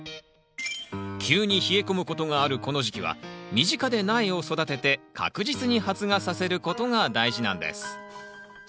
急に冷え込むことがあるこの時期は身近で苗を育てて確実に発芽させることが大事なんです。